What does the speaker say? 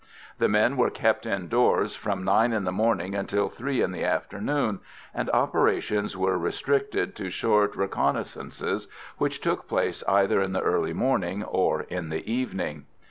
The men were kept indoors from nine in the morning until three in the afternoon, and operations were restricted to short reconnaissances, which took place either in the early morning or in the evening.